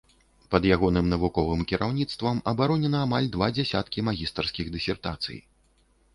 Пад ягоным навуковым кіраўніцтвам абаронена амаль два дзясяткі магістарскіх дысертацый.